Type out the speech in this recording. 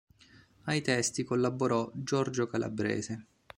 Ai testi collaborò Giorgio Calabrese.